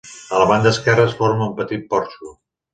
A la banda esquerra es forma un petit porxo.